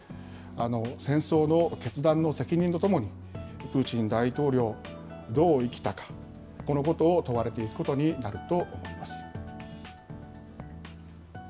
戦争の決断の責任とともに、プーチン大統領、どう生きたか、このことを問われていくことになると思います。